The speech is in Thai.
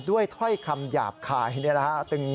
ด้วยถ้อยคำหยาบคายนี่แหละครับ